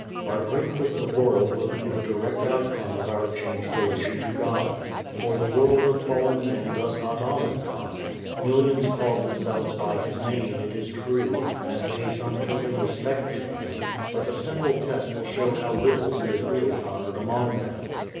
Our break with the world will be the direct outcome of our changed relation to God. For the world of fallen men does not honor God. Millions call themselves by His Name, it is true, and pay some token respect to Him, but a simple test will show how little He is really honored among them.